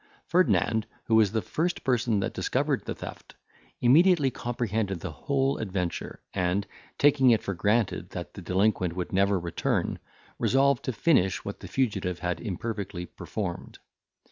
Ferdinand, who was the first person that discovered the theft, immediately comprehended the whole adventure, and, taking it for granted that the delinquent would never return, resolved to finish what the fugitive had imperfectly performed.